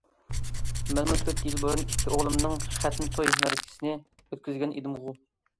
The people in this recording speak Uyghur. مەنمۇ تۆت يىل بۇرۇن ئىككى ئوغلۇمنىڭ خەتنە توي مەرىكىسىنى ئۆتكۈزگەن ئىدىمغۇ.